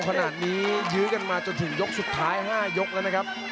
ขนาดนี้ยื้อกันมาจนถึงยกสุดท้าย๕ยกแล้วนะครับ